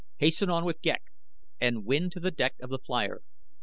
"Hasten on with Ghek and win to the deck of the flier.